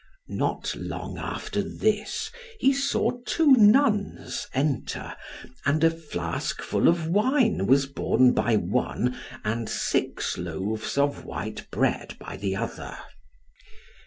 Not long after this he saw two nuns enter and a flask full of wine was borne by one, and six loaves of white bread by the other.